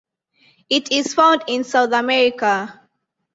It is found in South America.